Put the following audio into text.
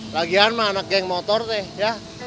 lagian mah anaknya yang motor ya